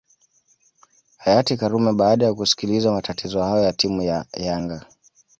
hayati karume baada ya kusikiliza matatizo hayo ya timu ya yanga